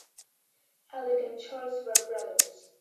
Alec and Charles were brothers.